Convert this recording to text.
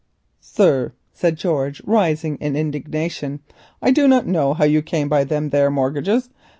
"Sir," said George, rising in indignation, "I don't rightly know how you came by them there mortgages.